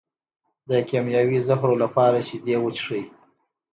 د کیمیاوي زهرو لپاره شیدې وڅښئ